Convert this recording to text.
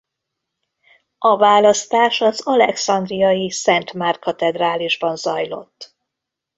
A választás az alexandriai Szent Márk-katedrálisban zajlott.